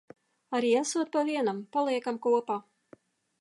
Arī esot pa vienam, paliekam kopā.